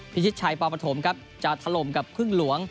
พิชิตชัยปาวมะถมจะถล่มกับคึ่งหลวง